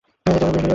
তোর কী লাগবে?